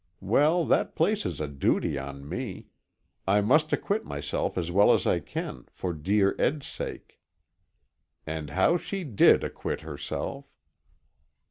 Well, that places a duty on me. I must acquit myself as well as I can, for dear Ed's sake." And how she did acquit herself!